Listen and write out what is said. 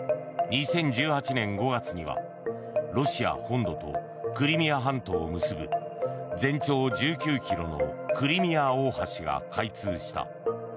２０１８年５月にはロシア本土とクリミア半島を結ぶ全長１９ｋｍのクリミア大橋が開通した。